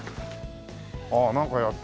ああなんかやってるね。